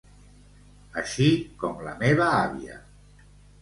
Així com la meva àvia.